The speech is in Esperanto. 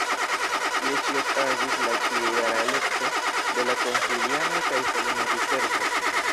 Tie ĉi okazis la ĉiujara elekto de la konsilianoj kaj solena diservo.